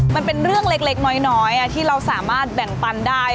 มันเป็นเรื่องเล็กน้อยที่เราสามารถแบ่งปันได้